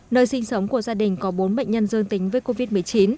nơi sinh sống của gia đình có bốn bệnh nhân dương tính với covid một mươi chín